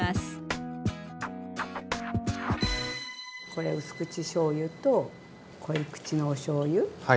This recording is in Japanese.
これうす口しょうゆとこい口のおしょうゆ。